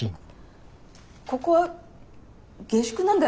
ここは下宿なんだよ。